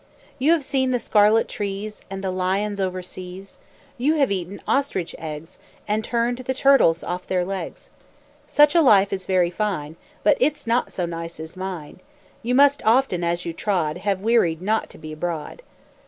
You have seen the scarlet trees And the lions over seas; You have eaten ostrich eggs, And turned the turtles off their legs. Such a life is very fine, But it's not so nice as mine; You must often, as you trod, Have wearied NOT to be abroad.